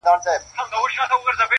د جهاني غزل د شمعي په څېر ژبه لري٫